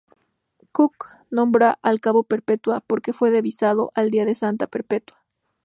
Cook nombró al cabo Perpetua porque fue divisado el día de Santa Perpetua.